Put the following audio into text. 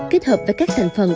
kết hợp với các thành phần